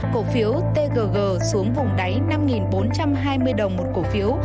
cổ phiếu tg xuống vùng đáy năm bốn trăm hai mươi đồng một cổ phiếu